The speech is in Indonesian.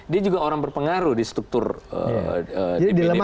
dia juga orang berpengaruh di struktur dpd partai